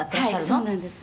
「はいそうなんです」